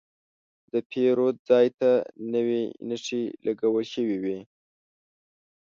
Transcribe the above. د پیرود ځای ته نوې نښې لګول شوې وې.